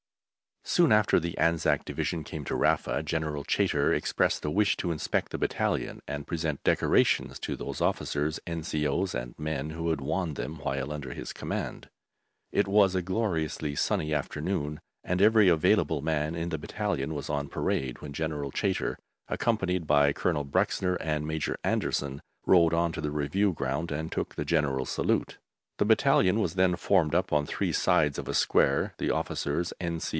Soon after the Anzac Division came to Rafa, General Chaytor expressed a wish to inspect the battalion and present decorations to those officers, N.C.O.s, and men who had won them while under his command. It was a gloriously sunny afternoon, and every available man in the battalion was on parade when General Chaytor, accompanied by Colonel Bruxner and Major Anderson, rode on to the review ground and took the "General Salute." The battalion was then formed up on three sides of a square; the officers, N.C.O.